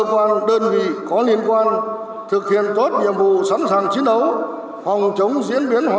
phòng đơn vị có liên quan thực hiện tốt nhiệm vụ sẵn sàng chiến đấu phòng chống diễn biến hòa